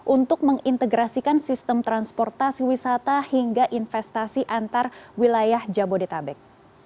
untuk mengintegrasikan sistem transportasi wisata hingga investasi antar wilayah jabodetabek